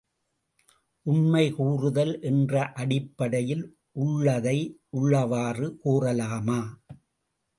உண்மை கூறுதல் என்ற அடிப்படையில் உள்ளதை உள்ளவாறு கூறலாமா?